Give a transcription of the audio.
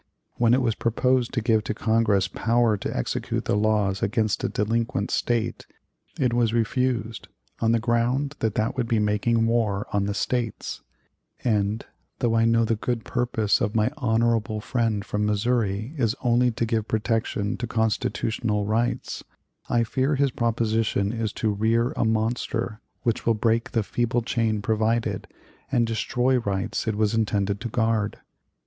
When it was proposed to give to Congress power to execute the laws against a delinquent State, it was refused on the ground that that would be making war on the States; and, though I know the good purpose of my honorable friend from Missouri is only to give protection to constitutional rights, I fear his proposition is to rear a monster, which will break the feeble chain provided, and destroy rights it was intended to guard.